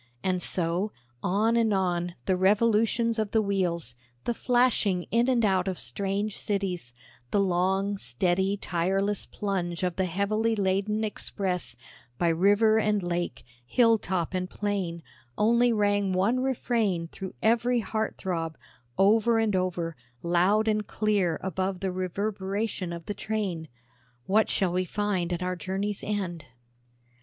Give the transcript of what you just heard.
And so, on and on; the revolutions of the wheels, the flashing in and out of strange cities, the long, steady, tireless plunge of the heavily laden express, by river and lake, hill top and plain, only rang one refrain through every heart throb, over and over, loud and clear above the reverberation of the train, "What shall we find at our journey's end?"